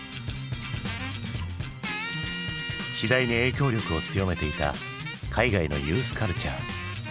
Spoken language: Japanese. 次第に影響力を強めていた海外のユースカルチャー。